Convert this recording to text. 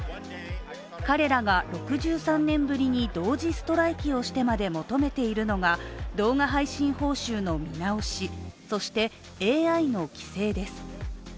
彼らが６３年ぶりに同時ストライキをしてまでも求めているのが動画配信報酬の見直し、そして、ＡＩの規制です。